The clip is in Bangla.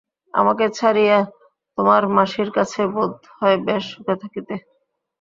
আমাকে ছাড়িয়া তোমার মাসির কাছে বোধ হয় বেশ সুখে থাকিতে।